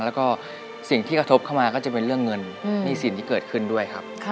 แล้วก็สิ่งที่กระทบเข้ามาก็จะเป็นเรื่องเงินหนี้สินที่เกิดขึ้นด้วยครับ